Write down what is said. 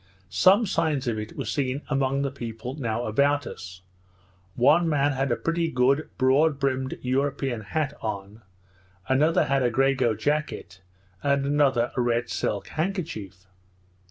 Some signs of it were seen among the people now about us; one man had a pretty good broad brimmed European hat on, another had a grego jacket, and another a red silk handkerchief.